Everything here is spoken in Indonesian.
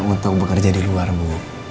untuk bekerja di luar bu